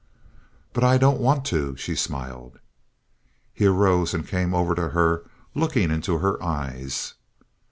"But I don't want to," she smiled. He arose and came over to her, looking into her eyes.